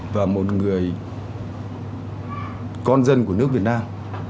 và một người con dân của nước việt nam